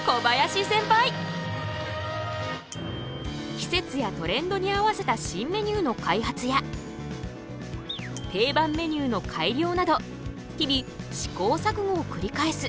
季節やトレンドに合わせた新メニューの開発や定番メニューの改良など日々試行錯誤をくり返す。